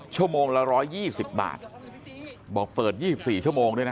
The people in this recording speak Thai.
ชั่วโมงละ๑๒๐บาทบอกเปิด๒๔ชั่วโมงด้วยนะ